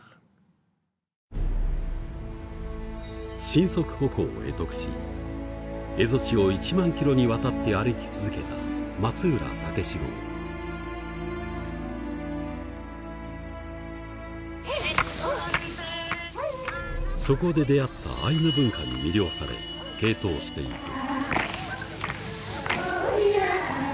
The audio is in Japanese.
神足歩行を会得し蝦夷地を１万キロにわたって歩き続けたそこで出会ったアイヌ文化に魅了され傾倒していく。